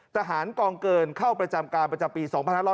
ทหารกองเกินเข้าประจำการประจำปี๒๕๖๐